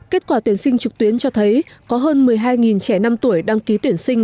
kết quả tuyển sinh trực tuyến cho thấy có hơn một mươi hai trẻ năm tuổi đăng ký tuyển sinh